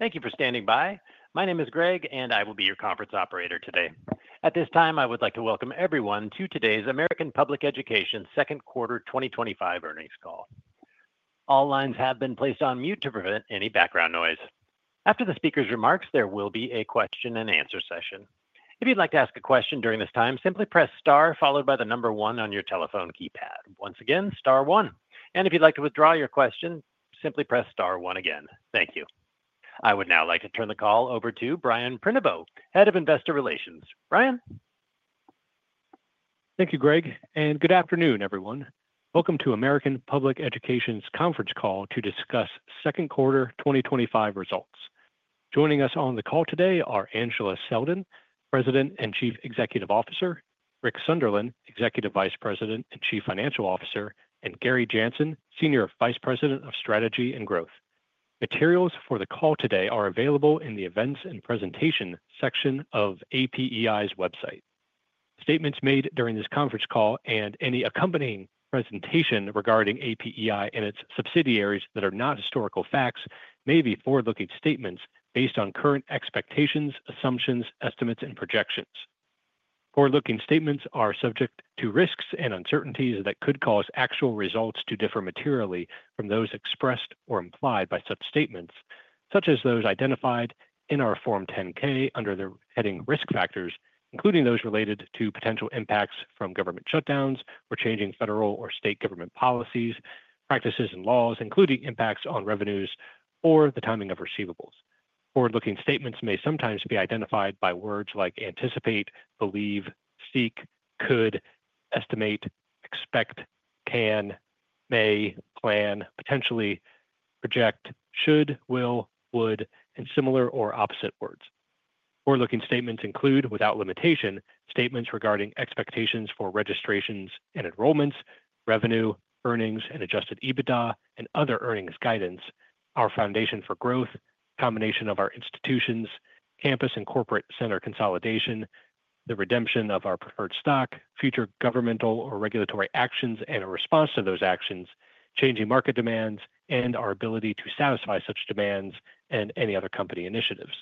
Thank you for standing by. My name is Greg, and I will be your conference operator today. At this time, I would like to welcome everyone to today's American Public Education Second Quarter 2025 Earnings Call. All lines have been placed on mute to prevent any background noise. After the speaker's remarks, there will be a question and answer session. If you'd like to ask a question during this time, simply press star followed by the number one on your telephone keypad. Once again, star one. If you'd like to withdraw your question, simply press star one again. Thank you. I would now like to turn the call over to Brian Prenoveau, Head of Investor Relations. Brian. Thank you, Greg, and good afternoon, everyone. Welcome to American Public Education's Conference Call to discuss Second Quarter 2025 results. Joining us on the call today are Angela Selden, President and Chief Executive Officer, Rick Sunderland, Executive Vice President and Chief Financial Officer, and Gary Janssen, Senior Vice President of Strategy and Growth. Materials for the call today are available in the Events and Presentation section of APEI's website. Statements made during this conference call and any accompanying presentation regarding APEI and its subsidiaries that are not historical facts may be forward-looking statements based on current expectations, assumptions, estimates, and projections. Forward-looking statements are subject to risks and uncertainties that could cause actual results to differ materially from those expressed or implied by such statements, such as those identified in our Form 10-K under the heading Risk Factors, including those related to potential impacts from government shutdowns or changing federal or state government policies, practices, and laws, including impacts on revenues or the timing of receivables. Forward-looking statements may sometimes be identified by words like anticipate, believe, seek, could, estimate, expect, can, may, plan, potentially, project, should, will, would, and similar or opposite words. Forward-looking statements include, without limitation, statements regarding expectations for registrations and enrollments, revenue, earnings, and adjusted EBITDA, and other earnings guidance, our foundation for growth, combination of our institutions, campus and corporate center consolidation, the redemption of our preferred stock, future governmental or regulatory actions, and a response to those actions, changing market demands, and our ability to satisfy such demands, and any other company initiatives.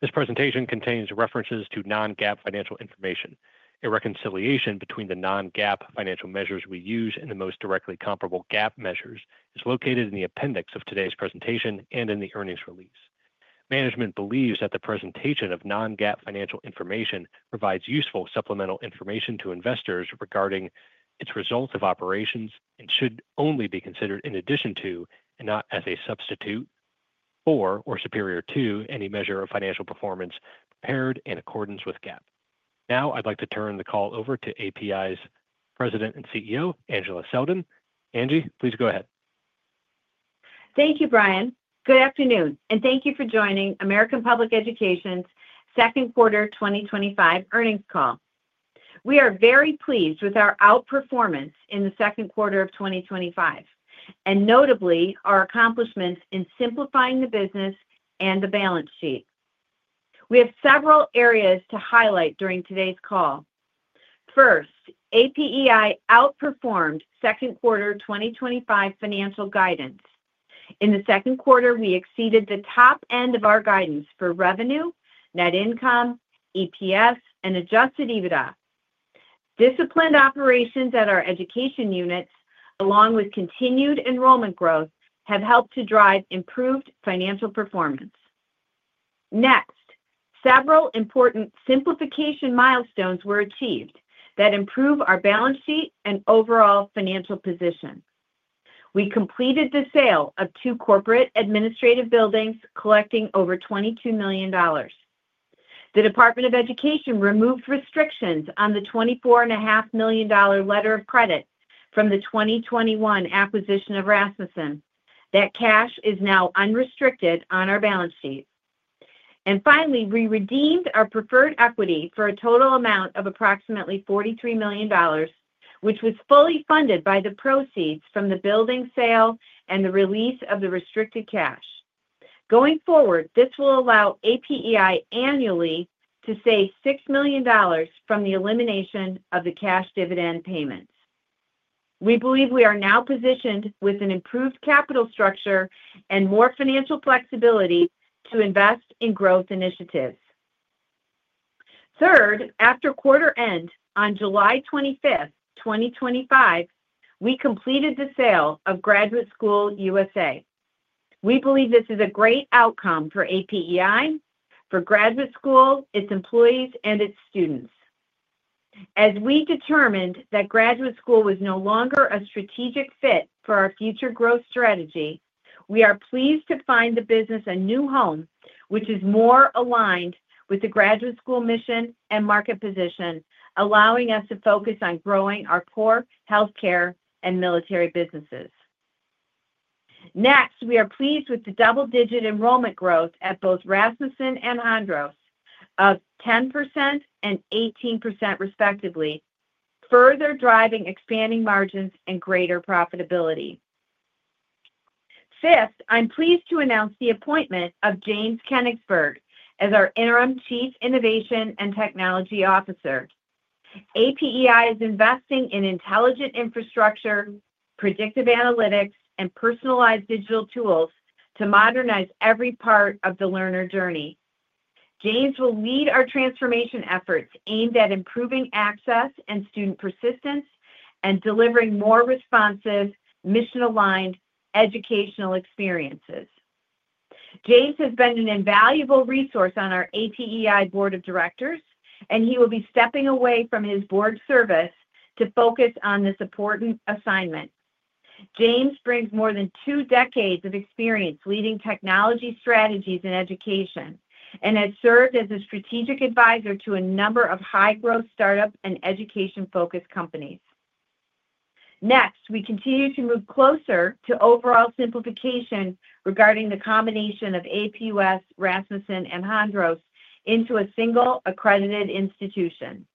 This presentation contains references to non-GAAP financial information. A reconciliation between the non-GAAP financial measures we use and the most directly comparable GAAP measures is located in the appendix of today's presentation and in the earnings release. Management believes that the presentation of non-GAAP financial information provides useful supplemental information to investors regarding its results of operations and should only be considered in addition to, and not as a substitute for, or superior to, any measure of financial performance prepared in accordance with GAAP. Now I'd like to turn the call over to APEI's President and CEO, Angela Selden. Angie, please go ahead. Thank you, Brian. Good afternoon, and thank you for joining American Public Education's Second Quarter 2025 Earnings Call. We are very pleased with our outperformance in the second quarter of 2025, and notably our accomplishments in simplifying the business and the balance sheet. We have several areas to highlight during today's call. First, APEI outperformed Second Quarter 2025 financial guidance. In the second quarter, we exceeded the top end of our guidance for revenue, net income, EPS, and adjusted EBITDA. Disciplined operations at our education units, along with continued enrollment growth, have helped to drive improved financial performance. Next, several important simplification milestones were achieved that improve our balance sheet and overall financial position. We completed the sale of two corporate administrative buildings, collecting over $22 million. The Department of Education removed restrictions on the $24.5 million letter of credit from the 2021 acquisition of Rasmussen. That cash is now unrestricted on our balance sheet. Finally, we redeemed our preferred equity for a total amount of approximately $43 million, which was fully funded by the proceeds from the building sale and the release of the restricted cash. Going forward, this will allow APEI annually to save $6 million from the elimination of the cash dividend payments. We believe we are now positioned with an improved capital structure and more financial flexibility to invest in growth initiatives. Third, after quarter end on July 25th, 2025, we completed the sale of Graduate School USA. We believe this is a great outcome for APEI, for Graduate School, its employees, and its students. As we determined that Graduate School was no longer a strategic fit for our future growth strategy, we are pleased to find the business a new home, which is more aligned with the Graduate School mission and market position, allowing us to focus on growing our core healthcare and military businesses. Next, we are pleased with the double-digit enrollment growth at both Rasmussen and Hondros of 10% and 18% respectively, further driving expanding margins and greater profitability. Fifth, I'm pleased to announce the appointment of James Kenigsberg as our Interim Chief Innovation and Technology Officer. APEI is investing in intelligent infrastructure, predictive analytics, and personalized digital tools to modernize every part of the learner journey. James will lead our transformation efforts aimed at improving access and student persistence and delivering more responsive, mission-aligned educational experiences. James has been an invaluable resource on our APEI Board of Directors, and he will be stepping away from his board service to focus on this important assignment. James brings more than two decades of experience leading technology strategies in education and has served as a strategic advisor to a number of high-growth startup and education-focused companies. Next, we continue to move closer to overall simplification regarding the combination of APUS, Rasmussen, and Hondros into a single accredited institution.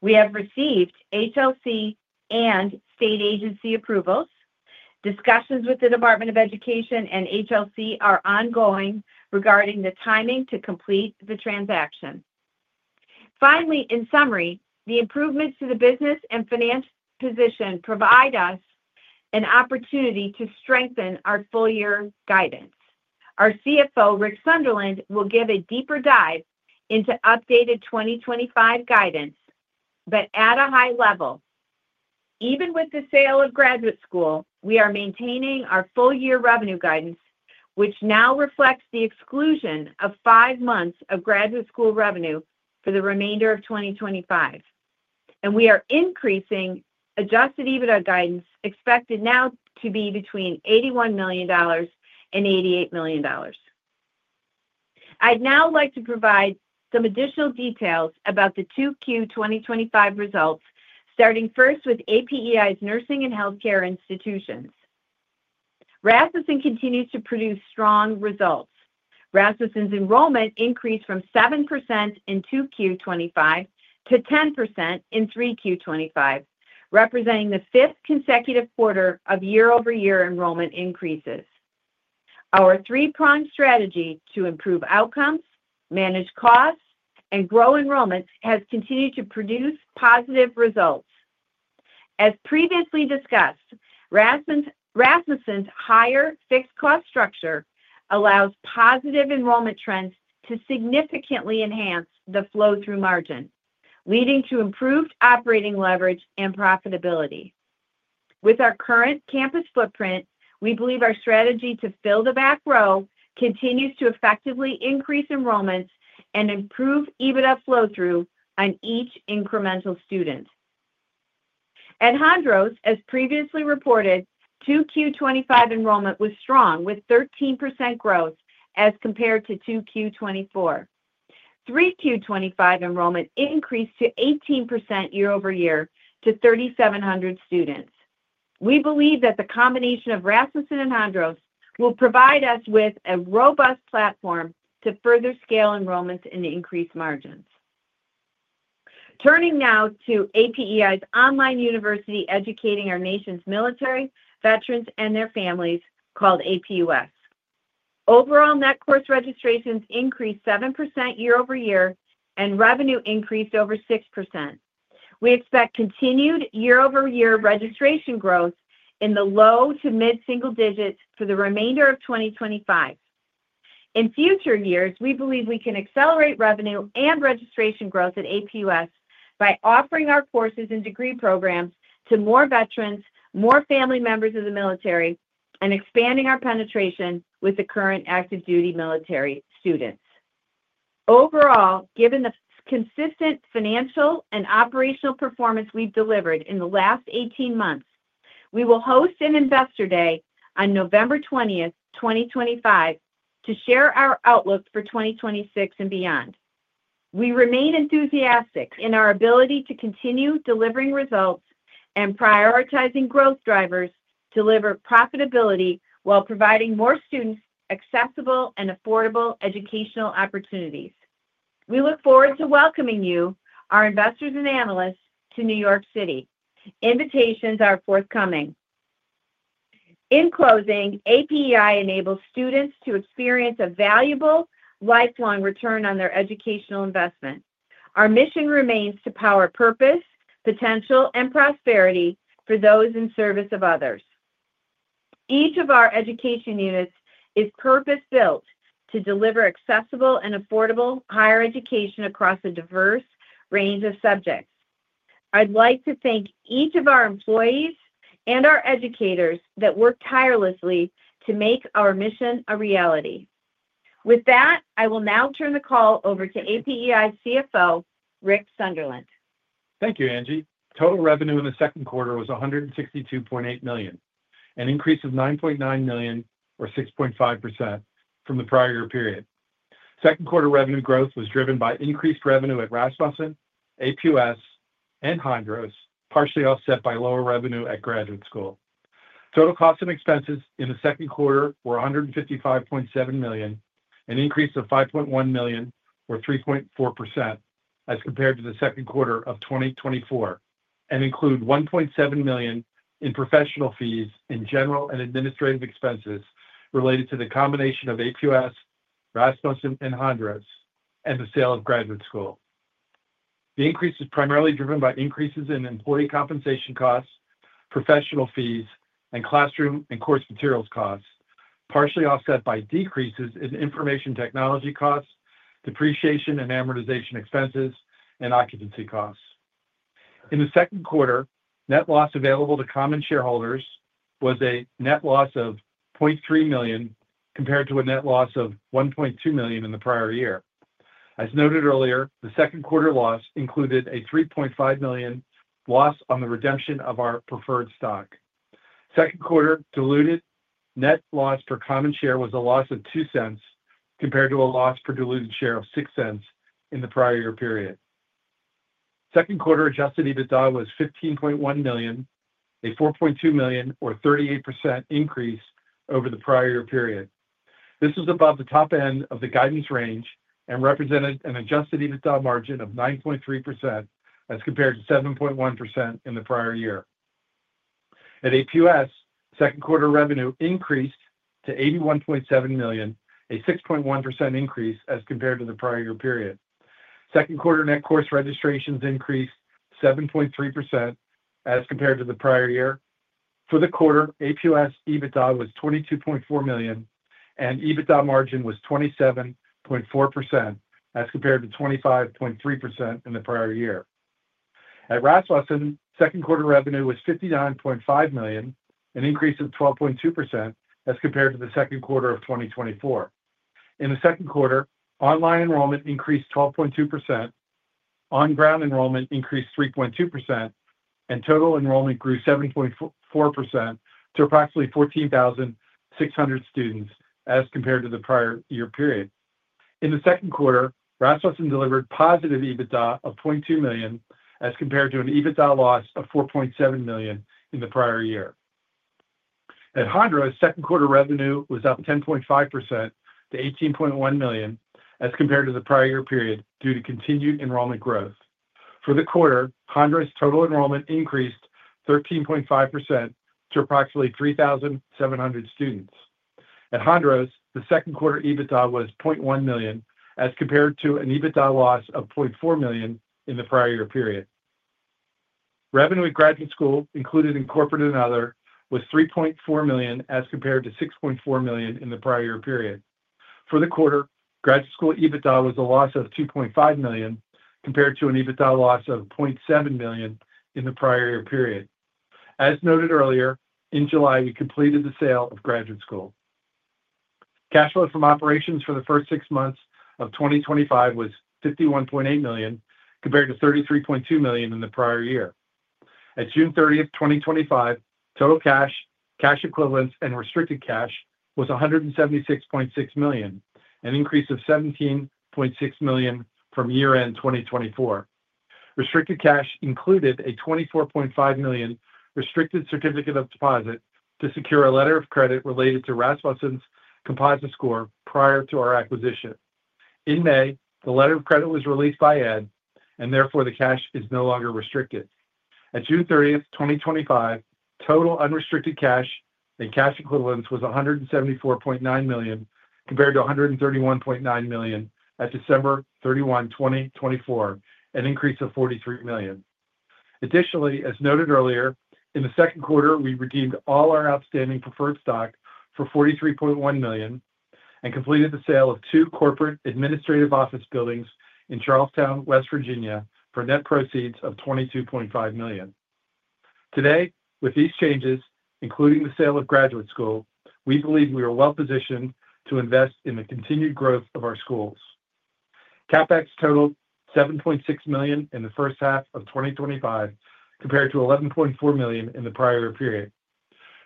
We have received HLC and state agency approvals. Discussions with the Department of Education and HLC are ongoing regarding the timing to complete the transaction. Finally, in summary, the improvements to the business and financial position provide us an opportunity to strengthen our full-year guidance. Our CFO, Rick Sunderland, will give a deeper dive into updated 2025 guidance, but at a high level, even with the sale of Graduate School, we are maintaining our full-year revenue guidance, which now reflects the exclusion of five months of Graduate School revenue for the remainder of 2025. We are increasing adjusted EBITDA guidance expected now to be between $81 million and $88 million. I'd now like to provide some additional details about the Q2 2025 results, starting first with APEI's nursing and healthcare institutions. Rasmussen continues to produce strong results. Rasmussen's enrollment increased from 7% in Q2 2025 - 10% in Q3 2025, representing the fifth consecutive quarter of year-over-year enrollment increases. Our three-prong strategy to improve outcomes, manage costs, and grow enrollments has continued to produce positive results. As previously discussed, Rasmussen's higher fixed cost structure allows positive enrollment trends to significantly enhance the flow-through margin, leading to improved operating leverage and profitability. With our current campus footprint, we believe our strategy to fill the back row continues to effectively increase enrollments and improve EBITDA flow-through on each incremental student. At Hondros, as previously reported, Q2 2025 enrollment was strong with 13% growth as compared to Q2 2024. Q3 2025 enrollment increased to 18% year-over-year to 3,700 students. We believe that the combination of Rasmussen and Hondros will provide us with a robust platform to further scale enrollments and increase margins. Turning now to APEI's online university educating our nation's military, veterans, and their families, called APUS. Overall, net course registrations increased 7% year-over-year and revenue increased over 6%. We expect continued year-over-year registration growth in the low to mid-single digits for the remainder of 2025. In future years, we believe we can accelerate revenue and registration growth at APUS by offering our courses and degree programs to more veterans, more family members of the military, and expanding our penetration with the current active duty military students. Overall, given the consistent financial and operational performance we've delivered in the last 18 months, we will host an Investor Day on November 20th, 2025, to share our outlook for 2026 and beyond. We remain enthusiastic in our ability to continue delivering results and prioritizing growth drivers to deliver profitability while providing more students accessible and affordable educational opportunities. We look forward to welcoming you, our investors and analysts, to New York City. Invitations are forthcoming. In closing, APEI enables students to experience a valuable, lifelong return on their educational investment. Our mission remains to power purpose, potential, and prosperity for those in service of others. Each of our education units is purpose-built to deliver accessible and affordable higher education across a diverse range of subjects. I'd like to thank each of our employees and our educators that work tirelessly to make our mission a reality. With that, I will now turn the call over to APEI CFO, Rick Sunderland. Thank you, Angie. Total revenue in the second quarter was $162.8 million, an increase of $9.9 million or 6.5% from the prior year period. Second quarter revenue growth was driven by increased revenue at Rasmussen, APUS, and Hondros, partially offset by lower revenue at Graduate School. Total costs and expenses in the second quarter were $155.7 million, an increase of $5.1 million or 3.4% as compared to the second quarter of 2024, and include $1.7 million in professional fees and general and administrative expenses related to the combination of APUS, Rasmussen, and Hondros, and the sale of Graduate School. The increase is primarily driven by increases in employee compensation costs, professional fees, and classroom and course materials costs, partially offset by decreases in information technology costs, depreciation and amortization expenses, and occupancy costs. In the second quarter, net loss available to common shareholders was a net loss of $0.3 million compared to a net loss of $1.2 million in the prior year. As noted earlier, the second quarter loss included a $3.5 million loss on the redemption of our preferred stock. Second quarter diluted net loss per common share was a loss of $0.02 compared to a loss per diluted share of $0.06 in the prior year period. Second quarter adjusted EBITDA was $15.1 million, a $4.2 million or 38% increase over the prior year period. This was above the top end of the guidance range and represented an adjusted EBITDA margin of 9.3% as compared to 7.1% in the prior year. At APUS, second quarter revenue increased to $81.7 million, a 6.1% increase as compared to the prior year period. Second quarter net course registrations increased 7.3% as compared to the prior year. For the quarter, APUS EBITDA was $22.4 million, and EBITDA margin was 27.4% as compared to 25.3% in the prior year. At Rasmussen, second quarter revenue was $59.5 million, an increase of 12.2% as compared to the second quarter of 2024. In the second quarter, online enrollment increased 12.2%, on-ground enrollment increased 3.2%, and total enrollment grew 7.4% to approximately 14,600 students as compared to the prior year period. In the second quarter, Rasmussen delivered positive EBITDA of $0.2 million as compared to an EBITDA loss of $4.7 million in the prior year. At Hondros, second quarter revenue was up 10.5% to $18.1 million as compared to the prior year period due to continued enrollment growth. For the quarter, Hondros total enrollment increased 13.5% to approximately 3,700 students. At Hondros, the second quarter EBITDA was $0.1 million as compared to an EBITDA loss of $0.4 million in the prior year period. Revenue at Graduate School, included in corporate and other, was $3.4 million as compared to $6.4 million in the prior year period. For the quarter, Graduate School EBITDA was a loss of $2.5 million compared to an EBITDA loss of $0.7 million in the prior year period. As noted earlier, in July, we completed the sale of Graduate School. Cash flow from operations for the first six months of 2025 was $51.8 million compared to $33.2 million in the prior year. At June 30th, 2025, total cash, cash equivalents, and restricted cash was $176.6 million, an increase of $17.6 million from year-end 2024. Restricted cash included a $24.5 million restricted certificate of deposit to secure a letter of credit related to Rasmussen's composite score prior to our acquisition. In May, the letter of credit was released by the Education, and therefore the cash is no longer restricted. At June 30th, 2025, total unrestricted cash and cash equivalents was $174.9 million compared to $131.9 million at December 31, 2024, an increase of $43 million. Additionally, as noted earlier, in the second quarter, we redeemed all our outstanding preferred stock for $43.1 million and completed the sale of two corporate administrative office buildings in Charlestown, West Virginia, for net proceeds of $22.5 million. Today, with these changes, including the sale of Graduate School, we believe we are well positioned to invest in the continued growth of our schools. CapEx totaled $7.6 million in the first half of 2025 compared to $11.4 million in the prior year period.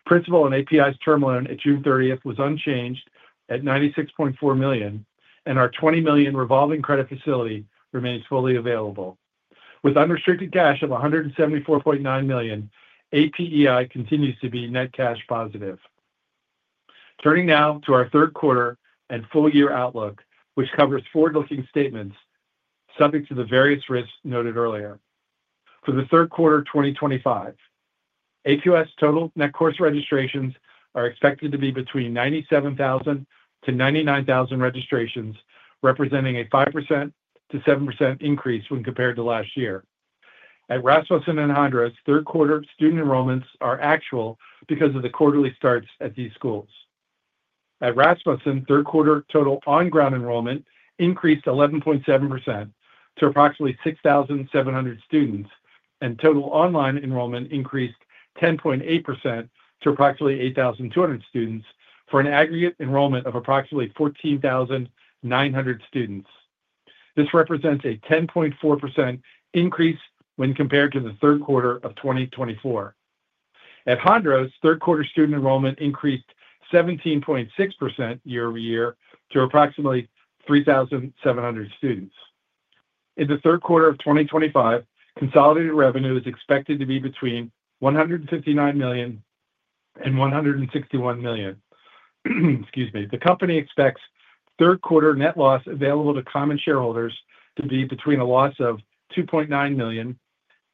Principal and APEI's term loan at June 30th was unchanged at $96.4 million, and our $20 million revolving credit facility remains fully available. With unrestricted cash of $174.9 million, APEI continues to be net cash positive. Turning now to our third quarter and full-year outlook, which covers forward-looking statements subject to the various risks noted earlier. For the third quarter 2025, APUS total net course registrations are expected to be between 97,000 to 99,000 registrations, representing a 5% - 7% increase when compared to last year. At Rasmussen and Hondros, third quarter student enrollments are actual because of the quarterly starts at these schools. At Rasmussen, third quarter total on-ground enrollment increased 11.7% to approximately 6,700 students, and total online enrollment increased 10.8% to approximately 8,200 students for an aggregate enrollment of approximately 14,900 students. This represents a 10.4% increase when compared to the third quarter of 2024. At Hondros, third quarter student enrollment increased 17.6% year-over-year to approximately 3,700 students. In the third quarter of 2025, consolidated revenue is expected to be between $159 million and $161 million. The company expects third quarter net loss available to common shareholders to be between a loss of $2.9 million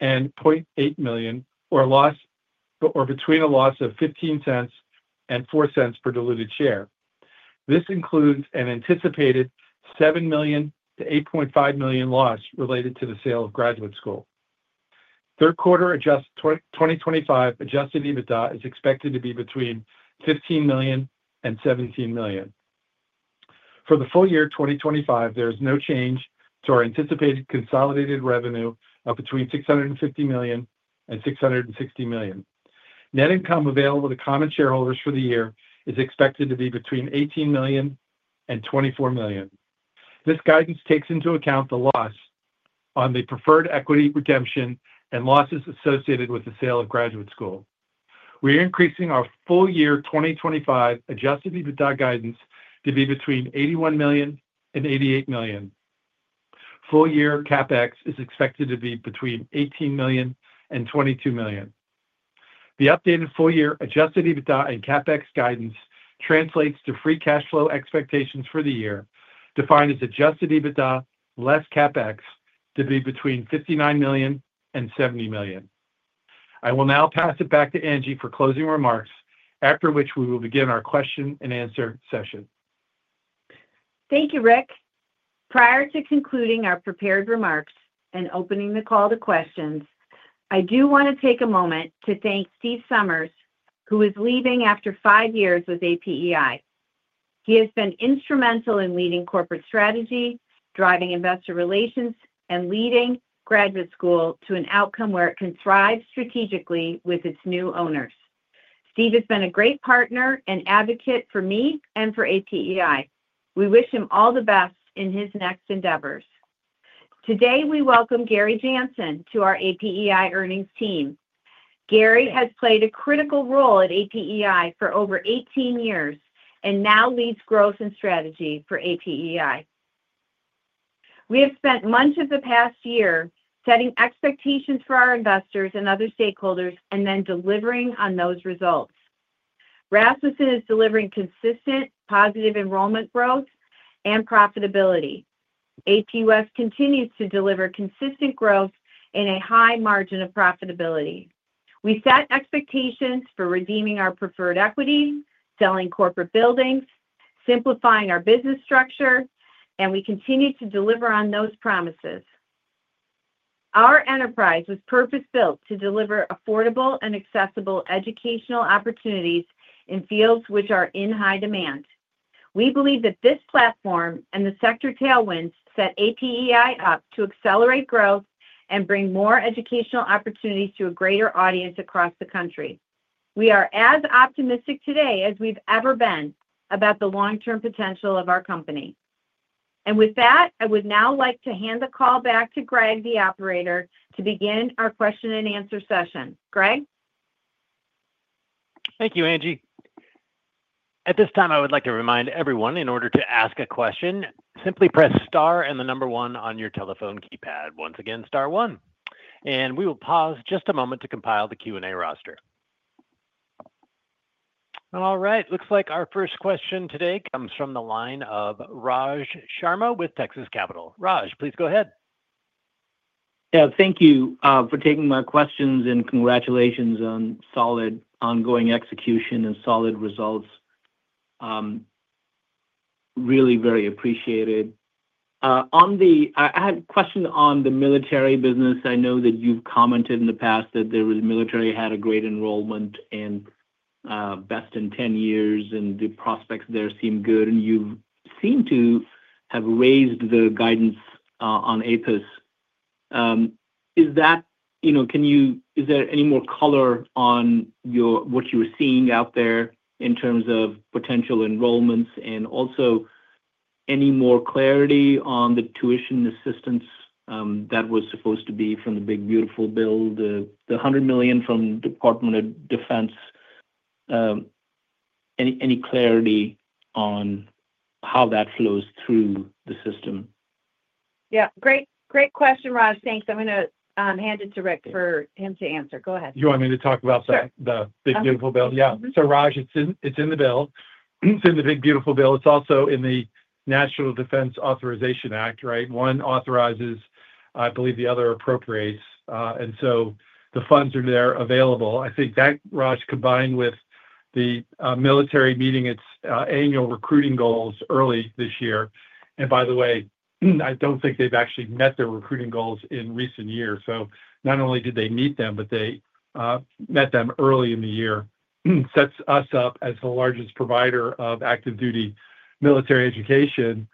and $0.8 million, or between a loss of $0.15 and $0.04 per diluted share. This includes an anticipated $7 million - $8.5 million loss related to the sale of Graduate School. Third quarter 2025 adjusted EBITDA is expected to be between $15 million and $17 million. For the full year 2025, there is no change to our anticipated consolidated revenue of between $650 million and $660 million. Net income available to common shareholders for the year is expected to be between $18 million and $24 million. This guidance takes into account the loss on the preferred equity redemption and losses associated with the sale of Graduate School. We are increasing our full year 2025 adjusted EBITDA guidance to be between $81 million and $88 million. Full year CapEx is expected to be between $18 million and $22 million. The updated full year adjusted EBITDA and CapEx guidance translates to free cash flow expectations for the year, defined as adjusted EBITDA less CapEx, to be between $59 million and $70 million. I will now pass it back to Angie for closing remarks, after which we will begin our question and answer session. Thank you, Rick. Prior to concluding our prepared remarks and opening the call to questions, I do want to take a moment to thank Steve Somers, who is leaving after five years with APEI. He has been instrumental in leading corporate strategy, driving investor relations, and leading Graduate School to an outcome where it can thrive strategically with its new owners. Steve has been a great partner and advocate for me and for APEI. We wish him all the best in his next endeavors. Today, we welcome Gary Janssen to our APEI earnings team. Gary has played a critical role at APEI for over 18 years and now leads Growth and Strategy for APEI. We have spent much of the past year setting expectations for our investors and other stakeholders and then delivering on those results. Rasmussen is delivering consistent positive enrollment growth and profitability. APUS continues to deliver consistent growth in a high margin of profitability. We set expectations for redeeming our preferred equity, selling corporate buildings, simplifying our business structure, and we continue to deliver on those promises. Our enterprise was purpose-built to deliver affordable and accessible educational opportunities in fields which are in high demand. We believe that this platform and the sector tailwinds set APEI up to accelerate growth and bring more educational opportunities to a greater audience across the country. We are as optimistic today as we've ever been about the long-term potential of our company. With that, I would now like to hand the call back to Greg, the operator, to begin our question and answer session. Greg? Thank you, Angie. At this time, I would like to remind everyone in order to ask a question, simply press star and the number one on your telephone keypad. Once again, star one. We will pause just a moment to compile the Q&A roster. All right. Looks like our first question today comes from the line of Raj Sharma with Texas Capital. Raj, please go ahead. Thank you for taking my questions and congratulations on solid ongoing execution and solid results. Really very appreciated. I had a question on the military business. I know that you've commented in the past that the military had a great enrollment, best in 10 years, and the prospects there seem good, and you seem to have raised the guidance on APUS. Is that, you know, can you - is there any more color on what you were seeing out there in terms of potential enrollments and also any more clarity on the tuition assistance that was supposed to be from the big beautiful bill, the $100 million from the Department of Defense? Any clarity on how that flows through the system? Yeah, great question, Raj. Thanks. I'm going to hand it to Rick for him to answer. Go ahead. Do you want me to talk about the big beautiful bill? Yeah. Raj, it's in the bill. It's in the big beautiful bill. It's also in the National Defense Authorization Act, right? One authorizes, I believe the other appropriates. The funds are there available. I think that, Raj, combined with the military meeting its annual recruiting goals early this year, and by the way, I don't think they've actually met their recruiting goals in recent years. Not only did they meet them, but they met them early in the year. Sets us up as the largest provider of active duty military education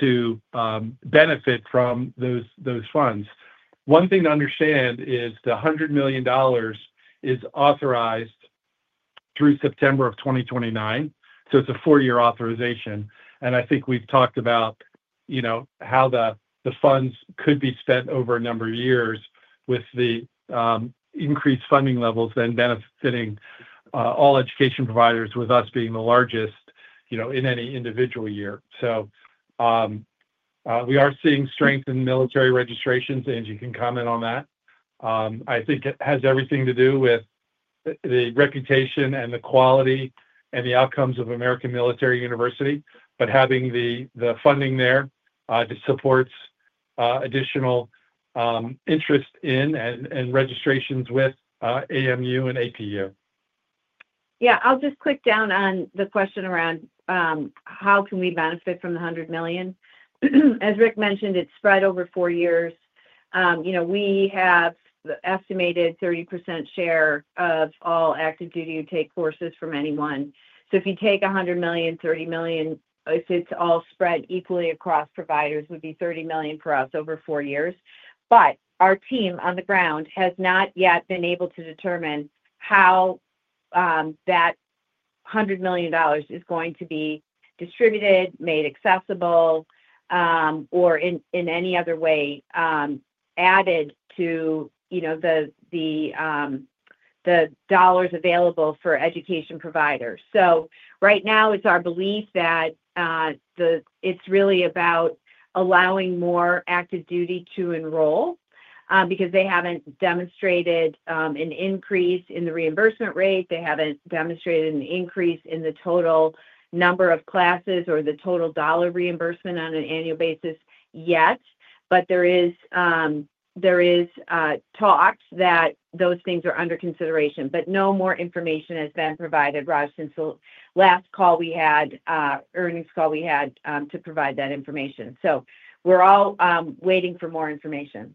to benefit from those funds. One thing to understand is the $100 million is authorized through September of 2029. It's a four-year authorization. I think we've talked about how the funds could be spent over a number of years with the increased funding levels then benefiting all education providers, with us being the largest in any individual year. We are seeing strength in military registrations. Angie, you can comment on that. I think it has everything to do with the reputation and the quality and the outcomes of American Military University, but having the funding there supports additional interest in and registrations with AMU and APUS. I'll just click down on the question around how can we benefit from the $100 million. As Rick mentioned, it's spread over four years. We have the estimated 30% share of all active duty who take courses from anyone. If you take $100 million, $30 million, if it's all spread equally across providers, it would be $30 million for us over four years. Our team on the ground has not yet been able to determine how that $100 million is going to be distributed, made accessible, or in any other way added to the dollars available for education providers. Right now, it's our belief that it's really about allowing more active duty to enroll because they haven't demonstrated an increase in the reimbursement rate. They haven't demonstrated an increase in the total number of classes or the total dollar reimbursement on an annual basis yet. There is talk that those things are under consideration, but no more information has been provided, Raj, since the last earnings call we had, to provide that information. We're all waiting for more information.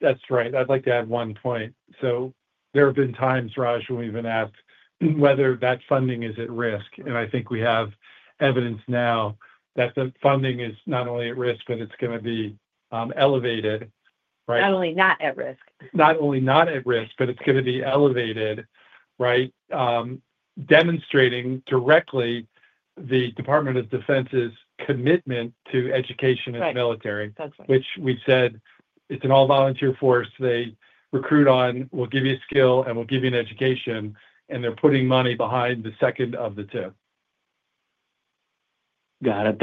That's right. I'd like to add one point. There have been times, Raj, when we've been asked whether that funding is at risk, and I think we have evidence now that the funding is not only not at risk, but it's going to be elevated, right? Not only not at risk. Not only not at risk, but it's going to be elevated, right? Demonstrating directly the Department of Defense's commitment to education and military, which we've said it's an all-volunteer force. They recruit on, we'll give you a skill, and we'll give you an education, and they're putting money behind the second of the two. Got it.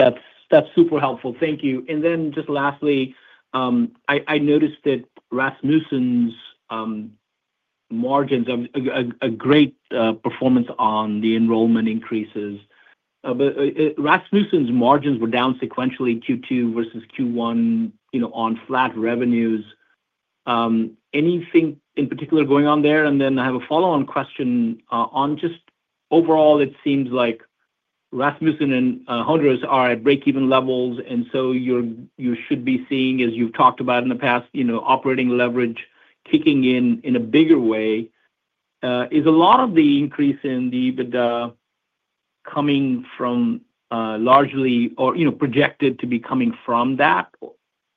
That's super helpful. Thank you. Lastly, I noticed that Rasmussen's margins, a great performance on the enrollment increases, but Rasmussen's margins were down sequentially in Q2 versus Q1, you know, on flat revenues. Anything in particular going on there? I have a follow-on question on just overall, it seems like Rasmussen and Hondros are at break-even levels. You should be seeing, as you've talked about in the past, operating leverage kicking in in a bigger way. Is a lot of the increase in the EBITDA coming from largely, or you know, projected to be coming from that,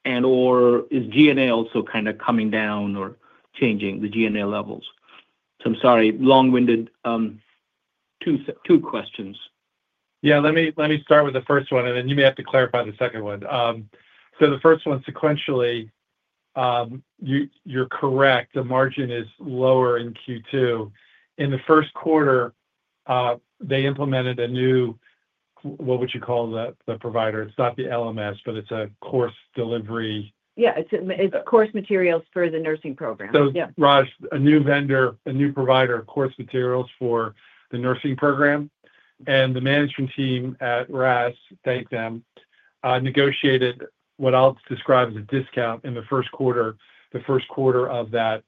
and/or is G&A also kind of coming down or changing the G&A levels? I'm sorry, long-winded two questions. Yeah, let me start with the first one, and then you may have to clarify the second one. The first one, sequentially, you're correct, the margin is lower in Q2. In the first quarter, they implemented a new, what would you call the provider? It's not the LMS, but it's a course delivery. Yeah, it's course materials for the nursing program. Raj, a new vendor, a new provider of course materials for the nursing program. The management team at Rasmussen, thank them, negotiated what I'll describe as a discount in the first quarter, the first quarter of that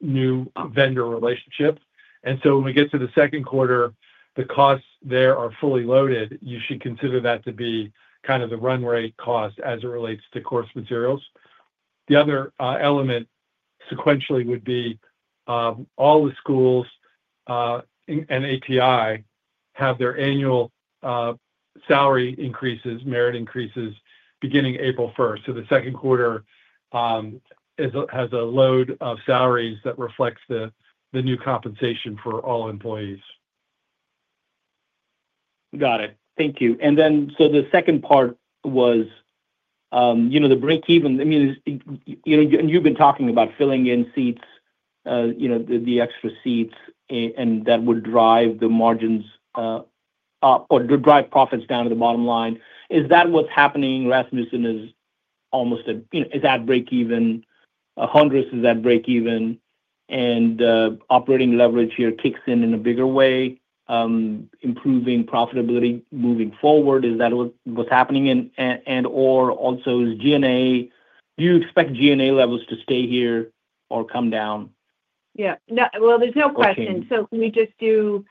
new vendor relationship. When we get to the second quarter, the costs there are fully loaded. You should consider that to be kind of the run rate cost as it relates to course materials. The other element sequentially would be all the schools and APEI have their annual salary increases, merit increases, beginning April 1st. The second quarter has a load of salaries that reflects the new compensation for all employees. Got it. Thank you. The second part was the break-even, I mean, you've been talking about filling in seats, the extra seats, and that would drive the margins up or drive profits down to the bottom line. Is that what's happening? Rasmussen is almost at break-even. Hondros is at break-even. Operating leverage here kicks in in a bigger way, improving profitability moving forward. Is that what's happening? Also, is G&A, do you expect G&A levels to stay here or come down? Yeah, no, there's no question. We just do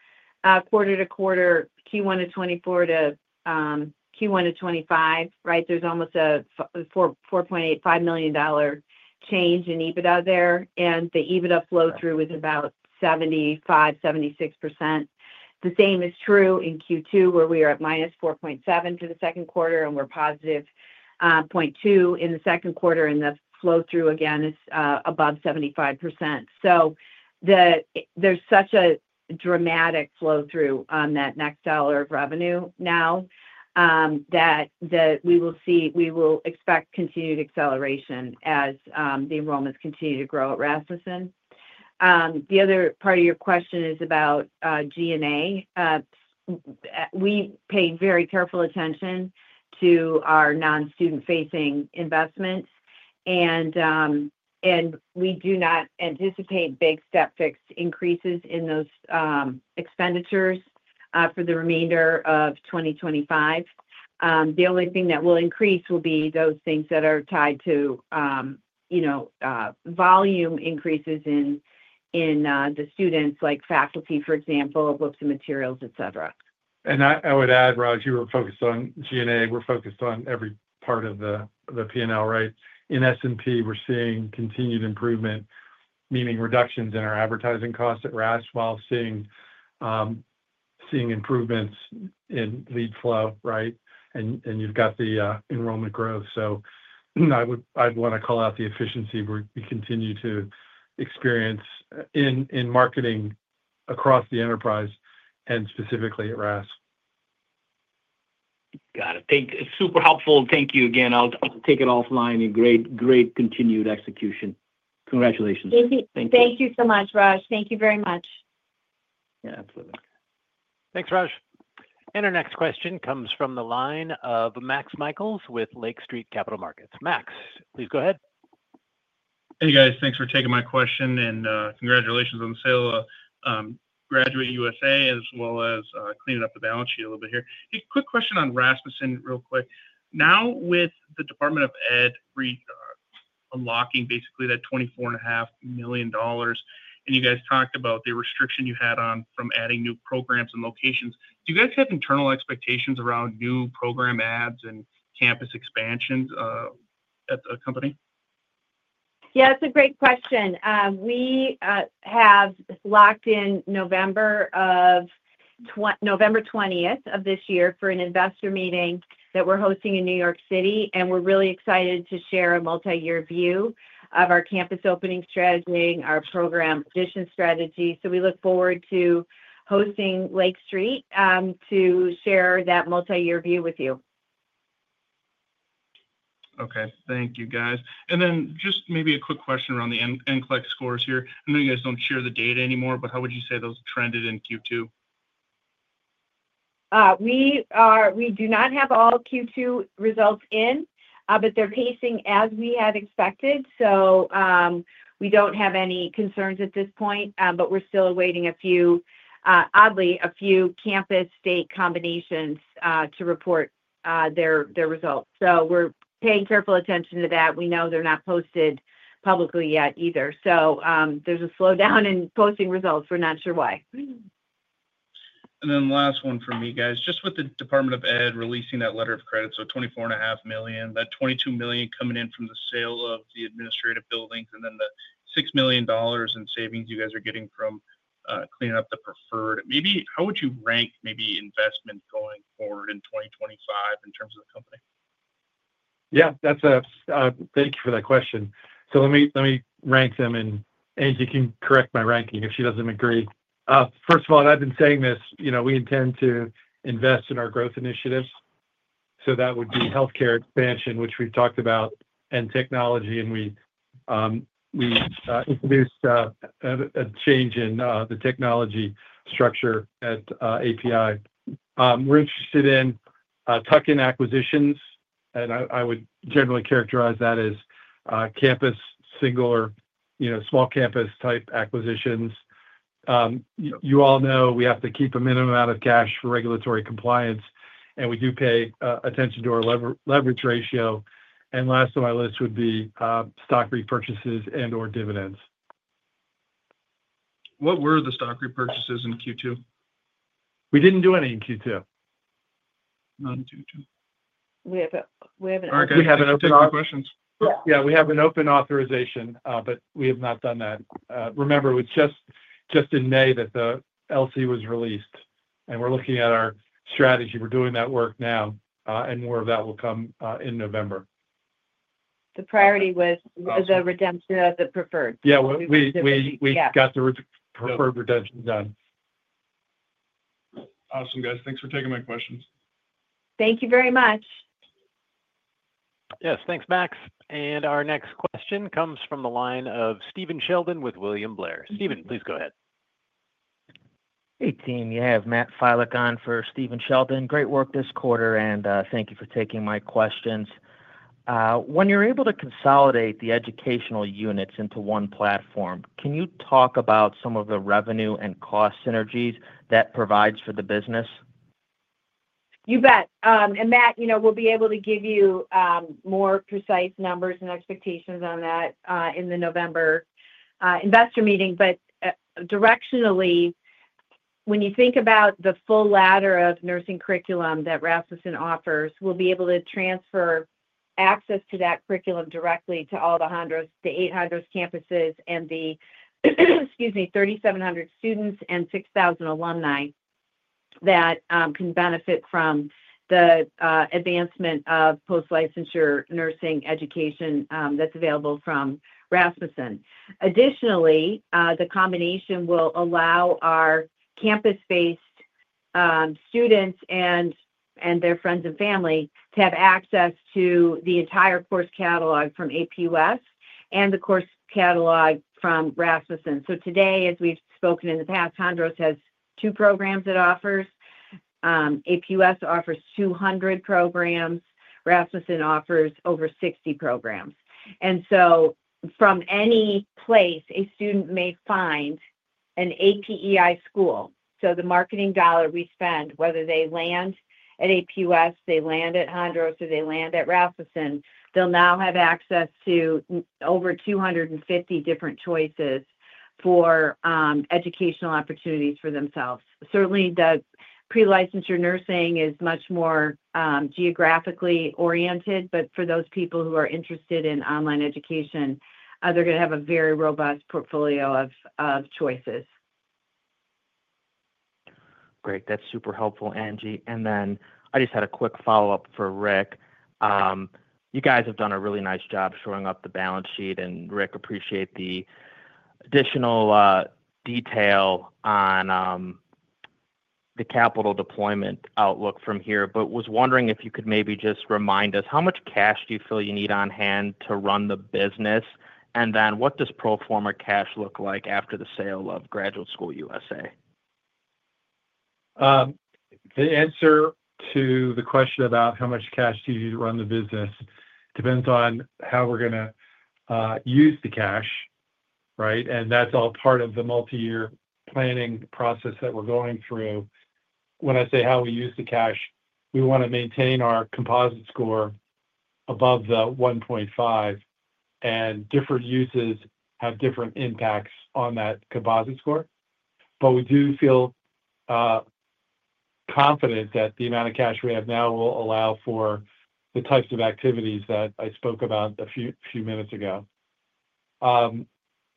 quarter-to-quarter, Q1 of 2024 - Q1 of 2025, right? There's almost a $4.85 million change in EBITDA there, and the EBITDA flow-through is about 75%, 76%. The same is true in Q2 where we are at minus $4.7 million for the second quarter, and we're positive $0.2 million in the second quarter, and the flow-through again is above 75%. There's such a dramatic flow-through on that net dollar of revenue now that we will see, we will expect continued acceleration as the enrollments continue to grow at Rasmussen. The other part of your question is about G&A. We pay very careful attention to our non-student-facing investments, and we do not anticipate big step-fixed increases in those expenditures for the remainder of 2025. The only thing that will increase will be those things that are tied to, you know, volume increases in the students, like faculty, for example, of FTEs and materials, etc. I would add, Raj, you were focused on G&A. We're focused on every part of the P&L, right? In S&P, we're seeing continued improvement, meaning reductions in our advertising costs at Rasmussen while seeing improvements in lead flow, right? You've got the enrollment growth. I want to call out the efficiency we continue to experience in marketing across the enterprise and specifically at Rasmussen. Got it. Thank you. Super helpful. Thank you again. I'll take it offline. Great, great continued execution. Congratulations. Thank you so much, Raj. Thank you very much. Yeah, absolutely. Thanks, Raj. Our next question comes from the line of Max Michaelis with Lake Street Capital Markets. Max, please go ahead. Hey, guys. Thanks for taking my question and congratulations on the sale of Graduate USA as well as cleaning up the balance sheet a little bit here. A quick question on Rasmussen real quick. Now with the Department of Education re-unlocking basically that $24.5 million, and you guys talked about the restriction you had on from adding new programs and locations, do you guys have internal expectations around new program adds and campus expansions at the company? Yeah, it's a great question. We have locked in November 20th of this year for an investor meeting that we're hosting in New York City, and we're really excited to share a multi-year view of our campus opening strategy, our program addition strategy. We look forward to hosting Lake Street to share that multi-year view with you. Okay. Thank you, guys. Maybe a quick question around the NCLEX scores here. I know you guys don't share the data anymore, but how would you say those trended in Q2? We do not have all Q2 results in, but they're pacing as we had expected. We don't have any concerns at this point, but we're still awaiting a few, oddly, a few campus state combinations to report their results. We're paying careful attention to that. We know they're not posted publicly yet either. There's a slowdown in posting results. We're not sure why. And then last one for me, guys. With the Department of Education releasing that letter of credit, so $24.5 million, that $22 million coming in from the sale of the administrative buildings, and then the $6 million in savings you guys are getting from cleaning up the preferred, maybe how would you rank maybe investment going forward in 2025 in terms of the company? Yeah, thank you for that question. Let me rank them, and Angie can correct my ranking if she doesn't agree. First of all, I've been saying this, we intend to invest in our growth initiatives. That would be healthcare expansion, which we've talked about, and technology, and we introduced a change in the technology structure at APEI. We're interested in tuck-in acquisitions, and I would generally characterize that as campus single or small campus type acquisitions. You all know we have to keep a minimum amount of cash for regulatory compliance, and we do pay attention to our leverage ratio. Last on my list would be stock repurchases and/or dividends. What were the stock repurchases in Q2? We didn't do any in Q2. Not in Q2. We have an open authorization. Yeah, we have an open authorization, but we have not done that. Remember, it was just in May that the letter of credit was released, and we're looking at our strategy. We're doing that work now, and more of that will come in November. The priority was the redemption of the preferred. Yeah, we got the preferred redemption done. Awesome, guys. Thanks for taking my questions. Thank you very much. Yes, thanks, Max. Our next question comes from the line of Stephen Sheldon with William Blair. Stephen, please go ahead. Hey, team. You have Matt Filek on for Steven Sheldon. Great work this quarter, and thank you for taking my questions. When you're able to consolidate the educational units into one platform, can you talk about some of the revenue and cost synergies that provides for the business? You bet. Matt, you know, we'll be able to give you more precise numbers and expectations on that in the November investor meeting. Directionally, when you think about the full ladder of nursing curriculum that Rasmussen offers, we'll be able to transfer access to that curriculum directly to all the Hondros, the eight Hondros campuses, and the, excuse me, 3,700 students and 6,000 alumni that can benefit from the advancement of post-licensure nursing education that's available from Rasmussen. Additionally, the combination will allow our campus-based students and their friends and family to have access to the entire course catalog from APUS and the course catalog from Rasmussen. As we've spoken in the past, Hondros has two programs it offers. APUS offers 200 programs. Rasmussen offers over 60 programs. From any place, a student may find an APEI school. The marketing dollar we spend, whether they land at APUS, they land at Hondros, or they land at Rasmussen, they'll now have access to over 250 different choices for educational opportunities for themselves. Certainly, the pre-licensure nursing is much more geographically oriented, but for those people who are interested in online education, they're going to have a very robust portfolio of choices. Great. That's super helpful, Angie. I just had a quick follow-up for Rick. You guys have done a really nice job showing up the balance sheet, and Rick, appreciate the additional detail on the capital deployment outlook from here. I was wondering if you could maybe just remind us how much cash do you feel you need on hand to run the business, and what does pro forma cash look like after the sale of Graduate School USA? The answer to the question about how much cash do you need to run the business depends on how we're going to use the cash, right? That is all part of the multi-year planning process that we're going through. When I say how we use the cash, we want to maintain our composite score above the 1.5, and different uses have different impacts on that composite score. We do feel confident that the amount of cash we have now will allow for the types of activities that I spoke about a few minutes ago.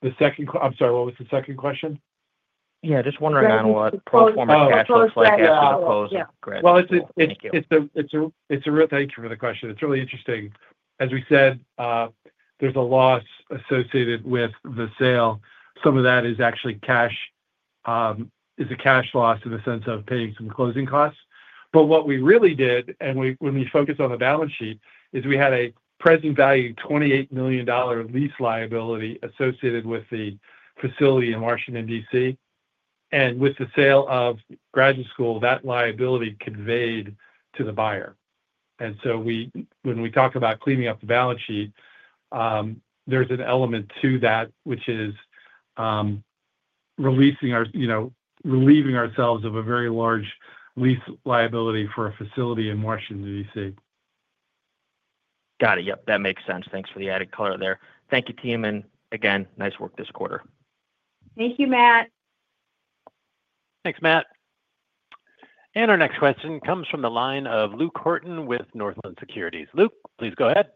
I'm sorry, what was the second question? Yeah, just wondering what pro forma cash looks like as opposed to granted? Thank you for the question. It's really interesting. As we said, there's a loss associated with the sale. Some of that is actually cash, is a cash loss in the sense of paying some closing costs. What we really did, and when we focused on the balance sheet, is we had a present value $28 million lease liability associated with the facility in Washington, DC. With the sale of Graduate School, that liability conveyed to the buyer. When we talk about cleaning up the balance sheet, there's an element to that, which is relieving ourselves of a very large lease liability for a facility in Washington, DC. Got it. Yep, that makes sense. Thanks for the added color there. Thank you, team, and again, nice work this quarter. Thank you, Matt. Thanks, Matt. Our next question comes from the line of Luke Horton with Northland Securities. Luke, please go ahead.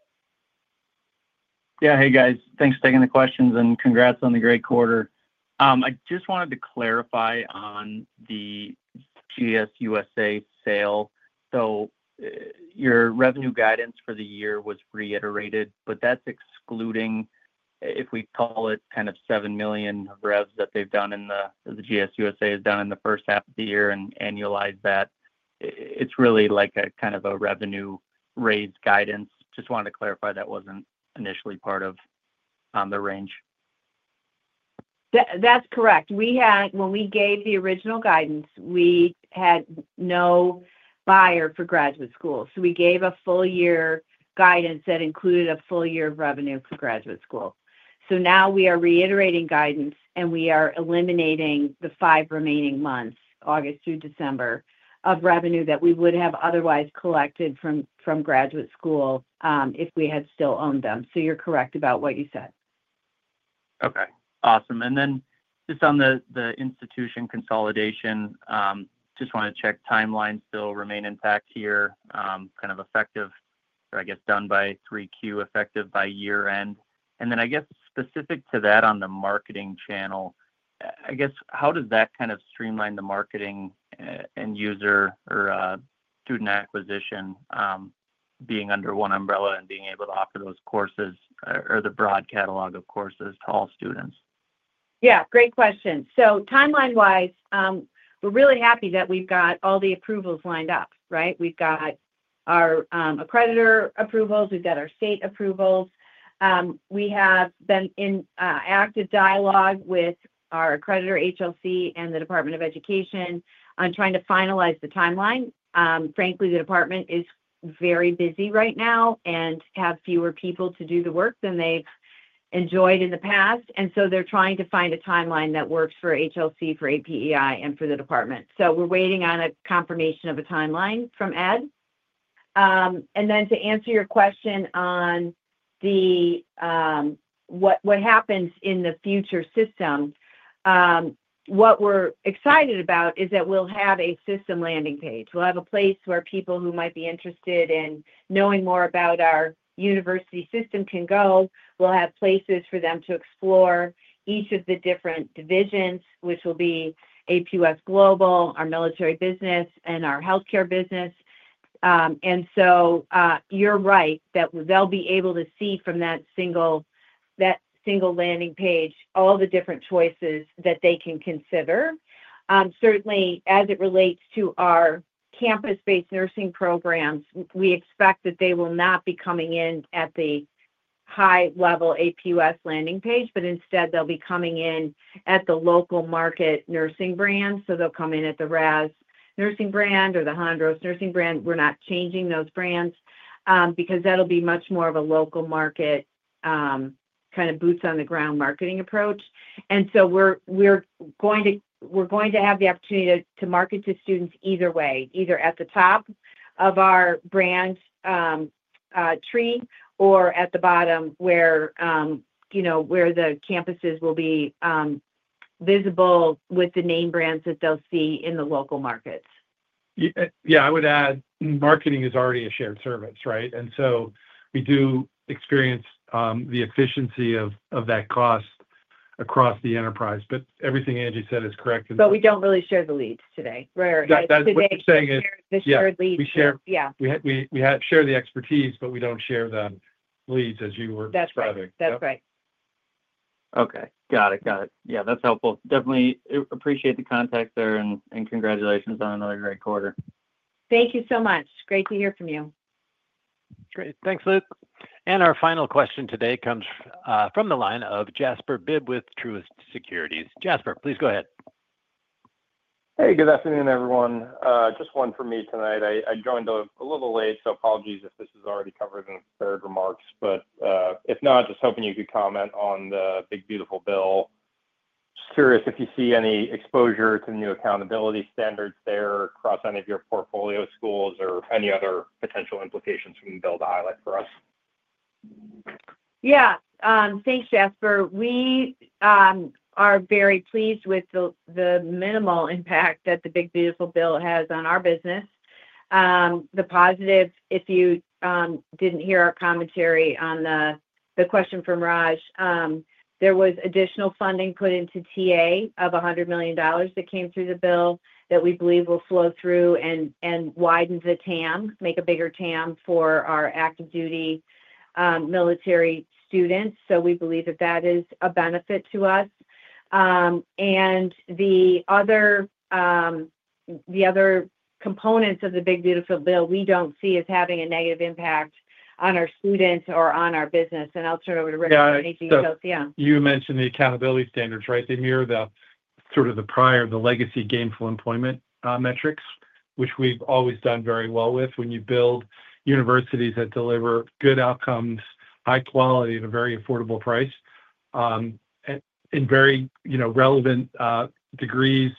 Yeah, hey, guys. Thanks for taking the questions, and congrats on the great quarter. I just wanted to clarify on the GS USA sale. Your revenue guidance for the year was reiterated, but that's excluding, if we call it, kind of $7 million revenue that they've done in the GS USA has done in the first half of the year and annualized that. It's really like a kind of a revenue raise guidance. Just wanted to clarify that wasn't initially part of the range? That's correct. We had, when we gave the original guidance, we had no buyer for Graduate School. We gave a full-year guidance that included a full year of revenue for Graduate School. We are reiterating guidance, and we are eliminating the five remaining months, August through December, of revenue that we would have otherwise collected from Graduate School if we had still owned them. You're correct about what you said. Okay. Awesome. Just on the institution consolidation, I just want to check timelines still remain intact here, kind of effective, or I guess done by Q3, effective by year-end. I guess specific to that on the marketing channel, how does that kind of streamline the marketing and user or student acquisition being under one umbrella and being able to offer those courses or the broad catalog of courses to all students? Yeah, great question. Timeline-wise, we're really happy that we've got all the approvals lined up, right? We've got our accreditor approvals. We've got our state approvals. We have been in active dialogue with our accreditor, HLC, and the Department of Education on trying to finalize the timeline. Frankly, the Department is very busy right now and has fewer people to do the work than they've enjoyed in the past. They're trying to find a timeline that works for HLC, for APEI, and for the Department. We're waiting on a confirmation of a timeline from Ed. To answer your question on what happens in the future system, what we're excited about is that we'll have a system landing page. We'll have a place where people who might be interested in knowing more about our university system can go. We'll have places for them to explore each of the different divisions, which will be APUS Global, our military business, and our healthcare business. You're right that they'll be able to see from that single landing page all the different choices that they can consider. Certainly, as it relates to our campus-based nursing programs, we expect that they will not be coming in at the high-level APUS landing page, but instead, they'll be coming in at the local market nursing brands. They'll come in at the Rasmussen nursing brand or the Hondros nursing brand. We're not changing those brands because that'll be much more of a local market kind of boots-on-the-ground marketing approach. We're going to have the opportunity to market to students either way, either at the top of our brand tree or at the bottom where the campuses will be visible with the name brands that they'll see in the local markets. Yeah, I would add marketing is already a shared service, right? We do experience the efficiency of that cost across the enterprise. Everything Angie said is correct. We don't really share the leads today. Right. That's what I'm saying is we share the expertise, but we don't share the leads as you were describing. That's right. Okay. Got it. Yeah, that's helpful. Definitely appreciate the context there, and congratulations on another great quarter. Thank you so much. Great to hear from you. Great. Thanks, Luke. Our final question today comes from the line of Jasper Bibb with Truist Securities. Jasper, please go ahead. Hey, good afternoon, everyone. Just one for me tonight. I joined a little late, so apologies if this is already covered in the remarks. If not, just hoping you could comment on the big beautiful bill. Curious if you see any exposure to the new accountability standards there across any of your portfolio schools or any other potential implications from the bill to highlight for us? Yeah. Thanks, Jasper. We are very pleased with the minimal impact that the big beautiful bill has on our business. The positives, if you didn't hear our commentary on the question from Raj, there was additional funding put into TA of $100 million that came through the bill that we believe will flow through and widen the TAM, make a bigger TAM for our active duty military students. We believe that that is a benefit to us. The other components of the big beautiful bill we don't see as having a negative impact on our students or on our business. I'll turn it over to Rick. Yeah, you mentioned the accountability standards, right? They mirror the sort of the prior, the legacy gainful employment metrics, which we've always done very well with. When you build universities that deliver good outcomes, high quality, at a very affordable price, and in very, you know, relevant degrees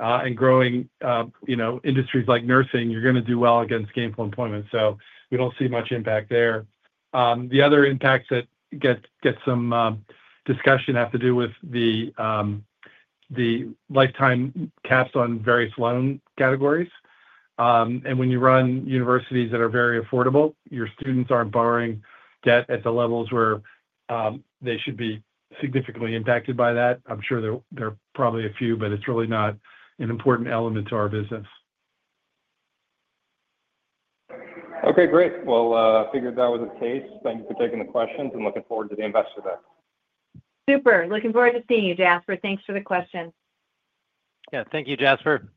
and growing, you know, industries like nursing, you're going to do well against gainful employment. We don't see much impact there. The other impacts that get some discussion have to do with the lifetime caps on various loan categories. When you run universities that are very affordable, your students aren't borrowing debt at the levels where they should be significantly impacted by that. I'm sure there are probably a few, but it's really not an important element to our business. Okay, great. I figured that was the case. Thank you for taking the questions and looking forward to the Investor Day. Super. Looking forward to seeing you, Jasper. Thanks for the question. Thank you, Jasper.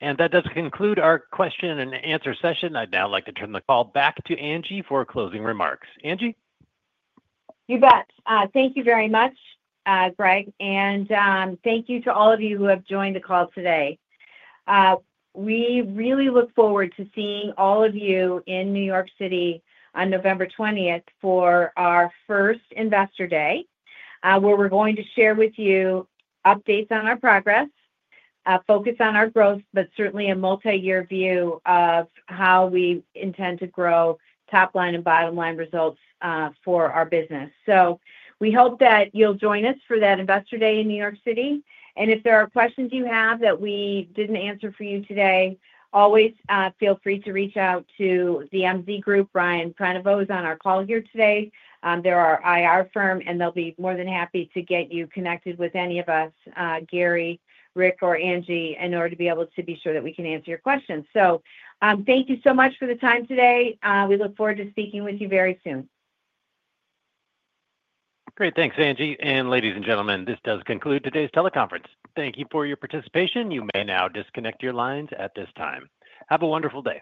That does conclude our question and answer session. I'd now like to turn the call back to Angie for closing remarks. Angie? You bet. Thank you very much, Greg. Thank you to all of you who have joined the call today. We really look forward to seeing all of you in New York City on November 20th, for our first Investor Day, where we're going to share with you updates on our progress, focus on our growth, but certainly a multi-year view of how we intend to grow top line and bottom line results for our business. We hope that you'll join us for that Investor Day in New York City. If there are questions you have that we didn't answer for you today, always feel free to reach out to the MZ Group. Brian Prenoveau is on our call here today. They're our IR firm, and they'll be more than happy to get you connected with any of us, Gary, Rick, or Angie, in order to be sure that we can answer your questions. Thank you so much for the time today. We look forward to speaking with you very soon. Great. Thanks, Angie. Ladies and gentlemen, this does conclude today's teleconference. Thank you for your participation. You may now disconnect your lines at this time. Have a wonderful day.